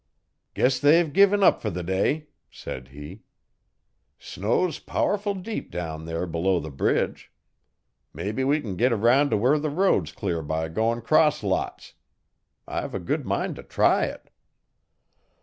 'Guess they've gi'n up fer t'day,' said he. 'Snow's powerful deep down there below the bridge. Mebbe we can get 'round to where the road's clear by goin' 'cross lots. I've a good mind t' try it.'